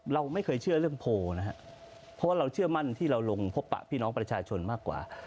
เราไม่เคยเชื่อเรื่องโพลนะครับเพราะว่าเราเชื่อมั่นที่เราลงพบปะพี่น้องประชาชนมากกว่า